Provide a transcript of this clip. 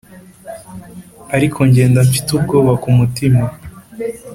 ariko ngenda mfite ubwoba kumutima